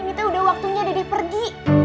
ini tuh udah waktunya dede pergi